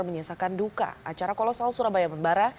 menyiasakan duka acara kolosal surabaya membara